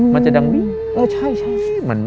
มันจะดังวี